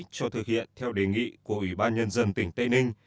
cho thực hiện theo đề nghị của ủy ban nhân dân tỉnh tây ninh